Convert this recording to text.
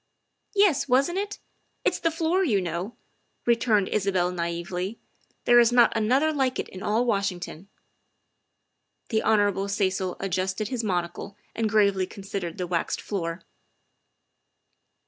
" Yes, wasn't it? It's the floor, you know," returned Isabel naively ;'' there is not another like it in all Wash ington. '' The Hon. Cecil adjusted his monocle and gravely con sidered the waxed floor.